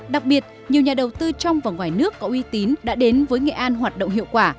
đặc biệt nhiều nhà đầu tư trong và ngoài nước có uy tín đã đến với nghệ an hoạt động hiệu quả